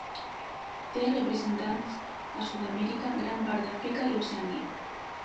Té representants a Sud-amèrica, gran part d'Àfrica i Oceania.